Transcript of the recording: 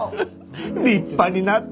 立派になって。